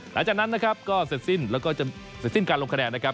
หลังจากนั้นนะครับก็เสร็จสิ้นแล้วก็จะเสร็จสิ้นการลงคะแนนนะครับ